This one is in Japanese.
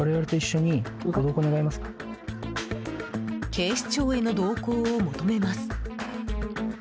警視庁への同行を求めます。